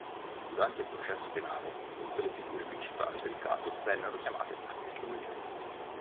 Durante il processo penale, tutte le figure principali del caso vennero chiamate a testimoniare.